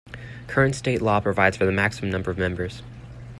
Current state law provides for the maximum number of members.